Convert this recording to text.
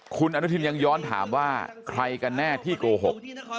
คุณอนุทินยังย้อนถามว่าใครกันแน่ที่โกหก